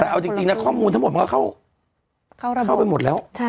เอาจริงนะข้อมูลทั้งมุมเพราะเข้าไปหมดแล้ว